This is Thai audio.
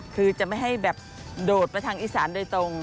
คือจะไม่ให้แบบโดดไปทางอีสานโดยตรง